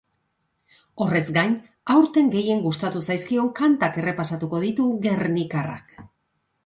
Horrez gain, aurten gehien gustatu zaizkion kantak errepasatuko ditu gernikarrak.